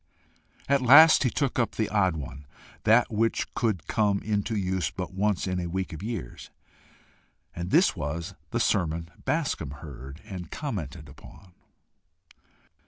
At last he took up the odd one that which could come into use but once in a week of years and this was the sermon Bascombe heard and commented upon.